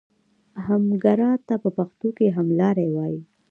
همګرا ته په پښتو کې هملاری وایي.